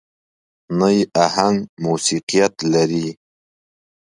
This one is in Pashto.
نه يې اهنګ موسيقيت لري.